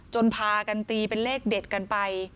พากันตีเป็นเลขเด็ดกันไป